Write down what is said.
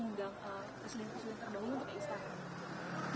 presiden jokowi mengundang bukan